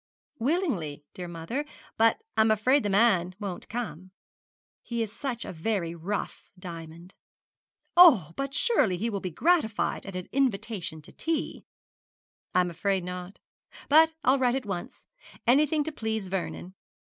'Willingly, dear mother; but I'm afraid the man won't come. He is such a very rough diamond.' 'Oh! but surely he will be gratified at an invitation to tea!' 'I'm afraid not. But I'll write at once. Anything to please Vernon.'